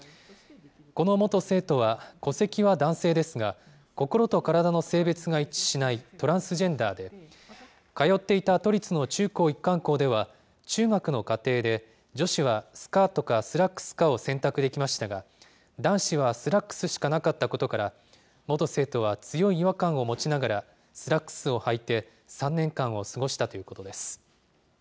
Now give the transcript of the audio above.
この元生徒は、戸籍は男性ですが、心と体の性別が一致しないトランスジェンダーで、通っていた都立の中高一貫校では、中学の課程で女子はスカートかスラックスかを選択できましたが、男子はスラックスしかなかったことから、元生徒は強い違和感を持ちながら、スラックスをはいて３年間を過ごしたということです。